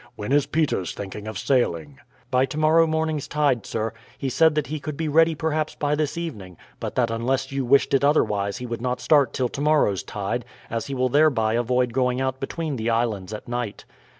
When is Peters thinking of sailing?" "By tomorrow morning's tide, sir. He said that he could be ready perhaps by this evening; but that unless you wished it otherwise he would not start till tomorrow's tide, as he will thereby avoid going out between the islands at night."